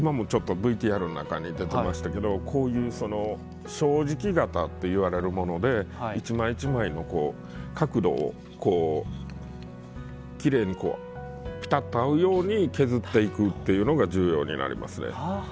今もＶＴＲの中に出てましたけど正直型っていわれるもので一枚一枚の角度をきれいにピタッと合うように削っていくっていうのが重要になります。